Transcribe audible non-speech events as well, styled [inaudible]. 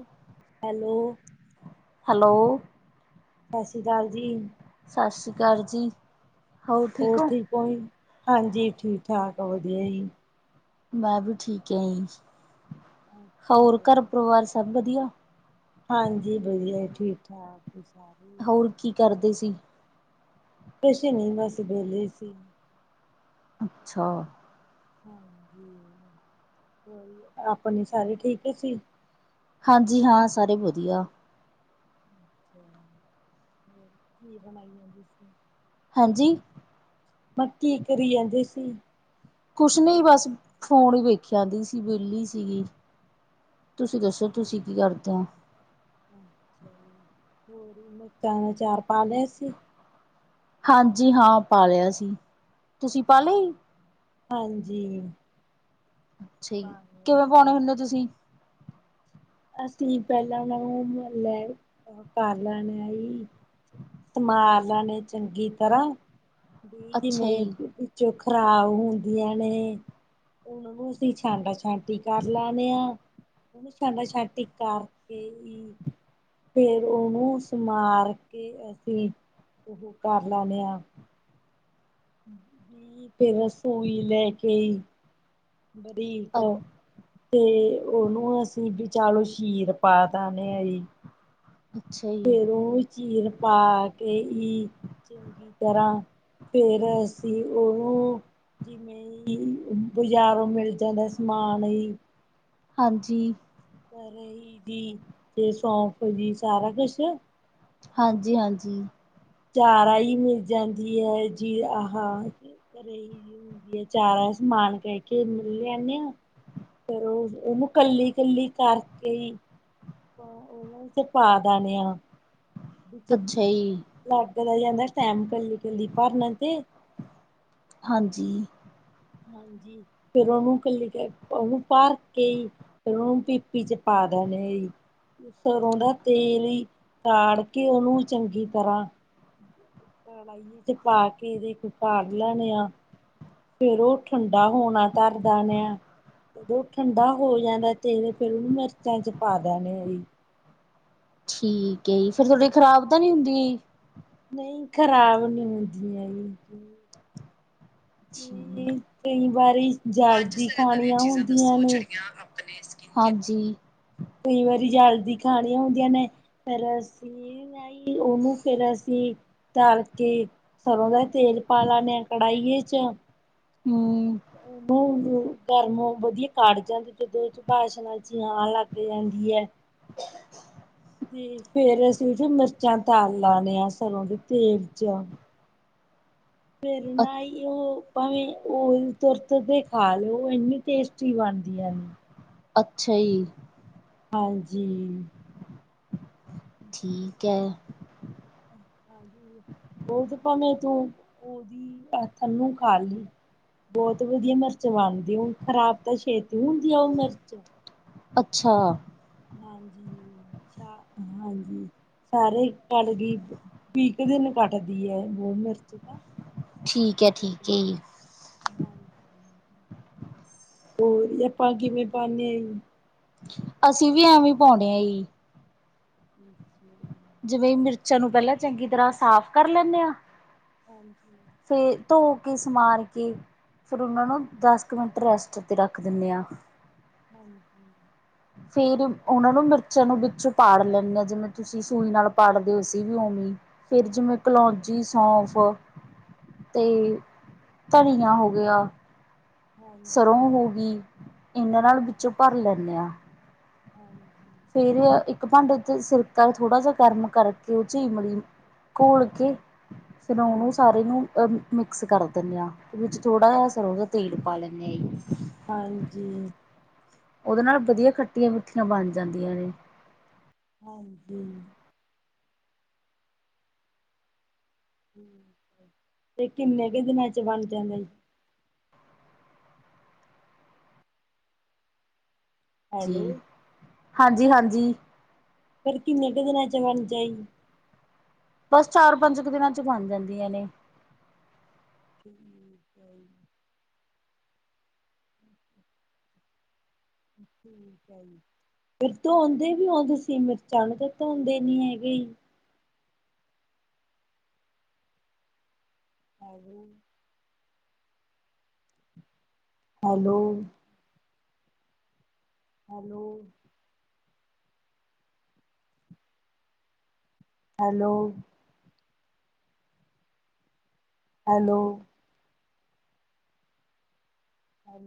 ?? Hello hello ਸਤਿ ਸ਼੍ਰੀ ਅਕਾਲ ਜੀ। ਸਤਿ ਸ਼੍ਰੀ ਅਕਾਲ ਜੀ ਹੋਰ ਠੀਕ ਹੋ ਜੀ ਹਾਂਜੀ ਠੀਕ ਠਾਕ ਵਧੀਆ ਜੀ ਮੈਂ ਵੀ ਠੀਕ ਆ ਜੀ ਅੱਛਾ ਹੋਰ ਘਰ ਜੀ ਪਰਿਵਾਰ ਸਭ ਵਧੀਆ। ਹਾਂਜੀ ਵਧੀਆ ਠੀਕ ਠਾਕ। ਸਾਰੇ ਹੋਰ ਕੀ ਕਰਦੇ ਸੀ? ਕੁਛ ਨਹੀਂ ਬਸ ਵੇਲੀ ਸੀ। ਅੱਛਾ ਹਾਂਜੀ ਹੋਰ ਆਪਣੇ ਸਾਰੇ ਠੀਕ ਹੈ ਜੀ। ਹਾਂਜੀ ਹਾਂ, ਸਾਰੇ ਵਧੀਆ। [inaudible] ਹਾਂਜੀ ਮੈ ਕੀ ਕਰੀ ਜਾਂਦੇ ਸੀ। ਕੁਛ ਨਹੀਂ ਬਸ ਫੋਨ ਹੀ ਵੇਖਿਆ ਆਦੀ ਸੀ ਵਿਹਲੀ ਸੀਗੀ ਤੁਸੀਂ ਦੱਸੋ ਤੁਸੀਂ ਅੱਛਾ ਕੀ ਕਰਦੇ ਹੋ? ਚਾਰ ਅਚਾਰ ਪਾ ਲਿਆ ਸੀ। ਹਾਂਜੀ ਹਾਂ ਪਾ ਲਿਆ ਸੀ ਤੁਸੀਂ ਪਾਲੇ ਹਾਂਜੀ ਅੱਛਾ ਪਾ ਲਿਆ ਕਿਵੇਂ ਪਾਉਣੇ ਸੀ ਹੁੰਦੇ ਤੁਸੀਂ? ਅਸੀਂ ਪਹਿਲਾਂ ਉਹਨਾਂ ਨੂੰ ਮੁੱਲ ਲੈ ਕਰ ਲੈਣੇ ਆ ਜੀ। ਹੱਥ ਮਾਰ ਲੈਣੇ ਚੰਗੀ ਤਰ੍ਹਾਂ ਅੱਛਾ ਜਿਵੇਂ। ਜੀ ਚ ਖ਼ਰਾਬ ਹੁੰਦੀਆਂ ਨੇ ਹੁਣ ਉਸਦੀ ਛਾਂਟਾ ਛਾਂਟੀ ਕਰ ਲਾਣੇ ਆ। ਸਾਡਾ ਸ਼ਾਟੀ ਕਾਰ ਏ ਈ। ਫੇਰ ਉਹਨੂੰ ਸੰਮਾਰ ਕੇ ਅਸੀਂ ਉਹ ਕਰ ਲੈਦੇ ਹਾਂ ਨਹੀਂ ਫਿਰ ਸੁਈ ਲੈ ਕੇ ਈ ਬਰੀਕ ਅ ਤੇ ਉਹਨੂੰ ਅਸੀਂ ਵੀਚਾਲੋ ਸੀ਼ਰ ਪਾ ਦੇਂਦੇ ਆ ਜੀ। ਅੱਛਾ ਜੀ ਫੇਰ ਉਹ ਨੂੰ ਚੀਰ ਪਾ ਕੇ ਈ ਚੰਗੀ ਤਰ੍ਹਾਂ ਫੇਰ ਅਸੀਂ ਉਹਨੂੰ ਕਿਵੇਂ ਬਜ਼ਾਰੋਂ ਮਿਲ ਜਾਂਦਾ ਸਮਾਨ ਏਹੀ ਹਾਂਜੀ ਰਹੀ ਦੀ ਤੇ ਸੌਫ ਜੀ ਸਾਰਾ ਕੁਛ ਹਾਂਜੀ ਹਾਂਜੀ ਚਾਰਾ ਹੀ ਮਿਲ ਜਾਂਦੀ ਹੈ ਇਹ ਜੀ ਆਹਾਂ ਫਿਰ ਚਾਰਾ ਸਮਾਨ ਕਹਿ ਕੇ ਮਿਲ ਆਂਨੇ ਆ ਫੇਰ ਉਹ ਉਹਨੂੰ ਕੱਲੀ ਕੱਲੀ ਕਰਕੇ ਈ। ਆਪਾਂ ਉਹਨਾਂ ਚ ਪਾ ਦੇਣੇ ਆ। ਅੱਛਾ ਜੀ ਲੱਗਦਾ ਜਾਂਦਾ ਟੈਮ ਕੱਲੀ ਇਕੱਲੀ ਭਰਨ ਤੇ ਹਾਂਜੀ ਹਾਂਜੀ ਫੇਰ ਉਹਨੂੰ ਇਕੱਲੀ ਕ ਉਹਨੂੰ ਭਾਰ ਕੇ ਫੇਰ ਉਹਨੂੰ ਪੀਪੀ ਚ ਪਾ ਦੇਨੇ ਆ ਜੀ। ਸਰੋਂ ਦਾ ਤੇਲ ਹੀ ਸਾੜ ਕੇ ਉਹਨੂੰ ਚੰਗੀ ਤਰ੍ਹਾਂ ਕੜਾਈ ਚ ਤੇ ਪਾ ਕੇ ਇਹਦੇ [unintelligible] ਸਾੜ ਲੈਣੇ ਆ। ਫੇਰ ਉਹ ਠੰਡਾ ਹੋਣਾ ਧਰ ਦੇਨੇ ਆ। ਉਹ ਠੰਡਾ ਹੋ ਜਾਂਦਾ ਤੇਲ। ਫੇਰ ਉਹਨੂੰ ਮਿਰਚਾਂ ਚ ਪਾ ਦੇਣੇ ਆ ਜੀ। ਠੀਕ ਹੈ ਜੀ। ਫੇਰ ਥੋਡੇ ਖ਼ਰਾਬ ਤਾਂ ਨੀ ਹੁੰਦੀਆਂ ਜੀ। ਨਹੀਂ ਖ਼ਰਾਬ ਨਹੀਂ ਹੁੰਦੀਆਂ ਜੀ। ਜੀ। ਕਈ-ਕਈ ਵਾਰੀ ਜਲਦੀ ਖਾਣੀਆਂ ਹੁੰਦੀਆਂ ਨੇ। ਹਾਂਜੀ। ਕਈ ਵਾਰੀ ਜਲਦੀ ਖਾਣੀਆਂ ਹੁੰਦੀਆਂ ਨੇ। ਫੇਰ ਅਸੀਂ ਉਹਨੂੰ ਫੇਰ ਅਸੀਂ। ਧਰ ਕੇ। ਸਰ੍ਹੋਂ ਦਾ ਤੇਲ ਪਾ ਲਾਣੇ ਹਾਂ ਕੜਾਹੀਏ ਚ। ਹਮ। ਉਹਨ ਗਰਮ ਵਧੀਆ ਕੱੜ ਜਾਂਦੀ। ਜਦੋ ਚ ਵਾਸ਼ਨਾ ਜੀ ਆਣ ਲੱਗ ਜਾਂਦੀ ਹੈ। ਠੀਕ ਹੈ। ਫੇਰ ਅਸੀਂ ਉਸ ਚ ਮਿਰਚਾਂ ਤਲ ਲੇਣੇ ਆ ਸਰੋਂ ਦੇ ਤੇਲ ਚ। ਫੇਰ ਅ ਨਾ ਜੀ ਉਹ। ਭਾਵੇਂ ਉਹ ਤੁਰਤ ਕੇ ਖਾ ਲਓ। ਉਹ ਇੰਨੀ ਟੇਸਟੀ ਬਣਦੀ ਆ। ਅੱਛਾ ਜੀ। ਹਾਂਜੀ। ਠੀਕ ਹੈ। ਉਹ ਤੇ ਭਾਵੇਂ ਤੂੰ। ਉਹਦੀ ਥਲੋ ਖਾ ਲਈ। ਬਹੁਤ ਵਧੀਆ ਮਿਰਚ ਬਣਦੀ ਉਹ ਖ਼ਰਾਬ ਤਾਂ ਛੇਤੀ ਹੁੰਦੀ ਆ ਉਹ ਮਿਰਚ। ਅੱਛਾ। ਹਾਂਜੀ-ਹਾਂਜੀ ਸਾਰੇ ਕਲਗੀ। ਵੀਹ ਕੁ ਦਿਨ ਕੱਟਦੀ ਹੈ। ਉਹ ਮਿਰਚ ਤਾਂ। ਠੀਕ ਹੈ, ਠੀਕ ਹੈ ਜੀ। ਹੋਰ ਆਪਾਂ ਕਿਵੇਂ ਪਾਂਦੇ ਹਾਂ ਜੀ? ਅਸੀਂ ਵੀ ਐਵੇਂ ਈ ਪਾਉਂਣੇ ਆ ਜੀ। [unintelligible] ਜਿਵੇਂ ਮਿਰਚਾਂ ਨੂੰ ਪਹਿਲਾਂ ਚੰਗੀ ਤਰ੍ਹਾਂ ਸਾਫ਼ ਕਰ ਲੈਂਦੇ ਹਾਂ। ਹਾਂਜੀ। ਫੇਰ ਧੋ ਕੇ ਸਮਾਰ ਕੇ। ਫਿਰ ਉਹਨਾਂ ਨੂੰ ਦਸ ਕੁ ਮਿੰਟ ਰੈਸਟ 'ਤੇ ਰੱਖ ਦਿੰਦੇ ਹਾਂ। ਹਾਂਜੀ [inaudible] ਫੇਰ ਉਹਨਾਂ ਨੂੰ ਮਿਰਚਾਂ ਨੂੰ ਵਿੱਚੋਂ ਪਾੜ ਲੈਂਦੇ ਹਾਂ। ਜਿਵੇਂ ਤੁਸੀਂ ਸੂਈ ਨਾਲ ਪਾੜਦੇ ਹੋ ਸੀ ਵੀ ਉਵੇਂ। ਫਿਰ ਜਿਵੇਂ ਹਾਂ ਕਲੌਜੀ ਸੌਂਫ ਤੇ ਹਾਂਜੀ ਧਨੀਆ ਹੋ ਗਿਆ। ਹਾਂਜੀ ਸਰ੍ਹੋਂ ਹੋ ਗਈ। ਇਹਨਾਂ ਨਾਲ ਵਿੱਚੋਂ ਭਰ ਲੈਂਨੇ ਆ। ਹਾਂ। ਫੇਰ ਇੱਕ ਭਾਂਡੇ ਤੇ ਸਿਰਕਾ ਥੋੜ੍ਹਾ ਜਿਹਾ ਗਰਮ ਕਰਕੇ। ਉਹ ਈਮਲੀ ਕੁਲ ਕੇ ਉਹਨੂੰ ਹਾਂਜੀ ਸਾਰੇ ਨੂੰ ਅਹ ਮਿਕਸ ਕਰ ਦਿੰਦੇ ਹਾਂ। ਤੇ ਵਿੱਚ ਥੋੜਾ ਜ ਸਰੋ ਦਾ ਤੇਲ ਪਾ ਲੈਂਦੇ ਹਾਂ। ਨਹੀਂ। ਹਾਂਜੀ। ਉਹਦੇ ਨਾਲ ਵਧੀਆ ਖੱਟੀਆਂ ਮਿੱਠੀਆਂ ਬਣ ਜਾਂਦੀਆਂ ਨੇ। ਹਾਂਜੀ। ਤੇ ਕਿੰਨੇ ਕੁ ਦਿਨਾਂ ਚ ਬਣ ਜਾਂਦੇ ਨ ਜੀ ਹੈਲੋ ਹਾਂਜੀ ਹਾਂਜੀ ਪਰ ਕਿੰਨੇ ਕੁ ਦਿਨਾਂ ਚ ਬਣ ਜਾਈ ਬਸ ਚਾਰ ਪੰਜ ਕੁ ਦਿਨਾਂ ਚ ਬਣ ਜਾਂਦੀਆਂ ਨੇ ਠੀਕ ਠੀਕ ਹੈ ਜੀ ਫਿਰ ਧੋਂਦੇ ਵੀ ਹੋ ਤੁਸੀ, ਮਿਰਚਾਂ ਨੂੰ ਤਾਂ ਧੋਂਦੇ ਨੀ ਹੈਗੇ ਆ [inaudible] hello hello hello hello hello.